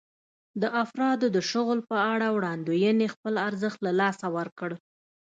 د افرادو د شغل په اړه وړاندوېنې خپل ارزښت له لاسه ورکړ.